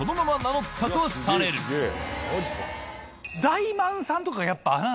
大万さんとかがやっぱ。